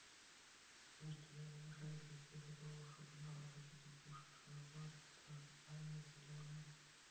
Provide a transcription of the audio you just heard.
ইনস্টাগ্রামে অনুসারীর দিক থেকে প্রভাবশালী হওয়ায় প্রতিটি পোস্টবাবদ তাঁর আয়ও ছিল অনেক।